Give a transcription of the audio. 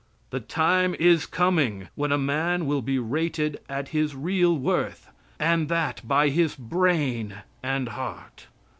The time is coming when a man will be rated at his real worth, and that by his brain and heart.